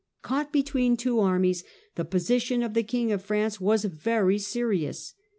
Caught between two armies, the position of the King of France was very serious.